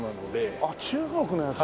ああ中国のやつ？